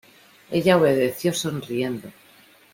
ella obedeció sonriendo.